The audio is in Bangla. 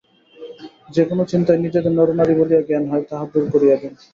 যে-কোন চিন্তায় নিজেদের নর-নারী বলিয়া জ্ঞান হয়, তাহা দূর করিয়া দিন।